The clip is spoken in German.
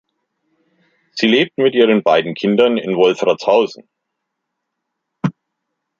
Sie lebt mit ihren beiden Kindern in Wolfratshausen.